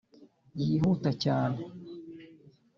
yihuta cyane